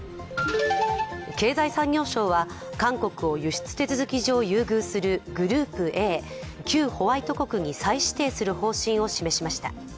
経済産業省は韓国を輸出手続き上優遇するグループＡ＝旧ホワイト国に再指定する方針を示しました。